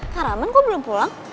kak raman kok belum pulang